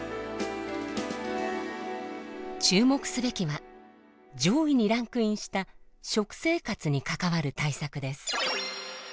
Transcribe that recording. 注目すべきは上位にランクインした「食生活に関わる対策」です。